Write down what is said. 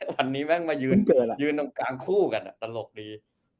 วันนี้แม่งมายืนยืนตรงกลางคู่กันตลกดี